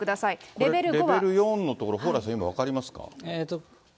レベル４の所、蓬莱さん、今分かりますか？